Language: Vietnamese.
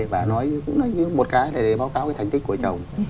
bà nói cũng là như một cái để báo cáo cái thành tích của chồng